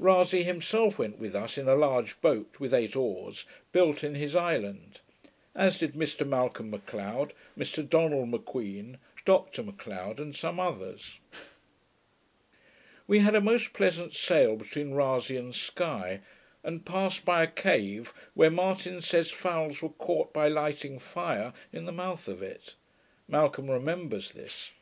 Rasay himself went with us in a large boat, with eight oars, built in his island; as did Mr Malcolm M'Cleod, Mr Donald M'Queen, Dr Macleod, and some others. We had a most pleasant sail between Rasay and Sky; and passed by a cave, where Martin says fowls were caught by lighting fire in the mouth of it. Malcolm remembers this.